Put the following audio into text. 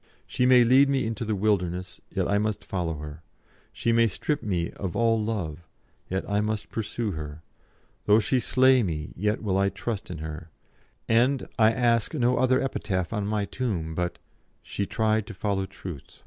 She may lead me into the wilderness, yet I must follow her; she may strip me of all love, yet I must pursue her; though she slay me, yet will I trust in her; and I ask no other epitaph on my tomb but "'SHE TRIED TO FOLLOW TRUTH.'"